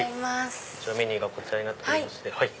メニューがこちらになっておりまして。